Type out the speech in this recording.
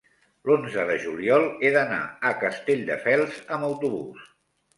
l'onze de juliol he d'anar a Castelldefels amb autobús.